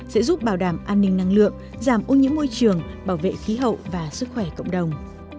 sẽ giúp bảo đảm an ninh năng lượng giảm ô nhiễm môi trường bảo vệ khí hậu và sức khỏe cộng đồng